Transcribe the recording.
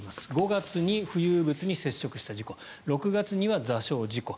５月に浮遊物に接触した事故６月には座礁事故